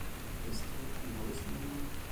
Es trug die Haus Nr.